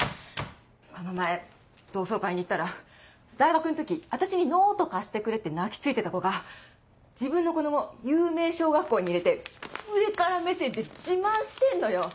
この前同窓会に行ったら大学の時私にノート貸してくれって泣き付いてた子が自分の子供を有名小学校に入れて上から目線で自慢してんのよ。